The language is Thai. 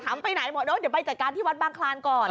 ถามไปไหนบอกว่าเดี๋ยวไปจัดการที่วัดบางคลานก่อน